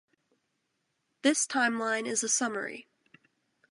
This timeline is a summary.